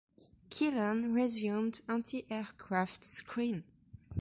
"Killen" resumed antiaircraft screen.